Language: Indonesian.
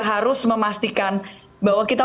harus memastikan bahwa kita